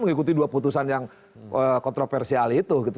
mengikuti dua putusan yang kontroversial itu gitu